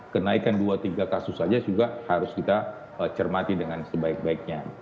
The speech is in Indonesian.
kenaikan dua tiga kasus saja juga harus kita cermati dengan sebaik baiknya